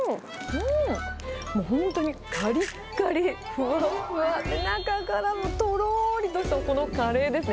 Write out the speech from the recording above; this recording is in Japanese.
うーん、本当にかりっかり、ふわっふわで、中からもとろーりとした、このカレーですね。